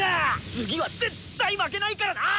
次は絶対負けないからな！